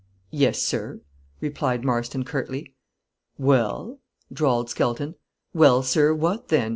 "Yes, sir," replied Marston, curtly. "Well?" drawled Skelton. "Well, sir, what then?"